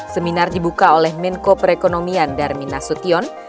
seminar dibuka oleh menko perekonomian darmin nasution